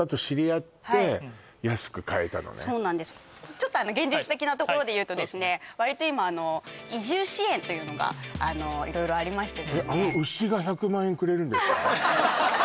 ちょっと現実なところで言うとですね割と今移住支援というのが色々ありましてですね